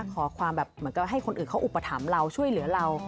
ขอความแบบเหมือนกับให้คนอื่นเขาอุปถัมภ์เราช่วยเหลือเรา